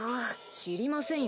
知りませんよ